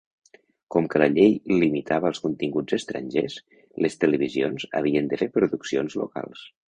Com que la llei limitava els continguts estrangers, les televisions havien de fer produccions locals.